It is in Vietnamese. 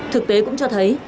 thực tế cũng cho biết